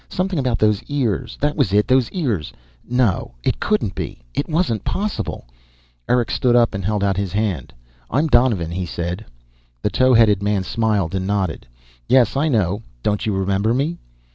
Something about those ears, that was it, those ears. No, it couldn't be, it wasn't possible Eric stood up and held out his hand. "I'm Donovan," he said. The towheaded man smiled and nodded. "Yes, I know. Don't you remember me?"